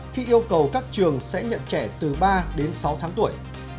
khi yêu cầu các trường sẽ nhận trẻ từ ba đến sáu tháng tuổi